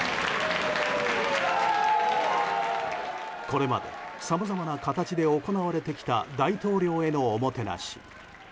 これまでさまざまな形で行われてきた大統領へのおもてなし。